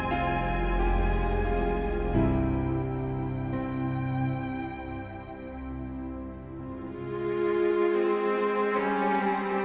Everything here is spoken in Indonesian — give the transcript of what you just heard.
kalau abris mitra pria tinggal bersih juga